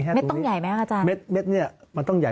เม็ดต้องใหญ่ไหมอาจารย์เม็ดเนี่ยมันต้องใหญ่